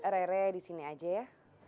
rere disini aja ya